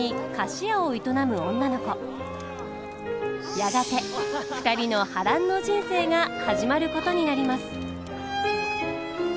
やがて２人の波乱の人生が始まることになります。